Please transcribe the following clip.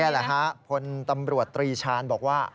นี่แหละคนตำรวจตรีชานบอกว่า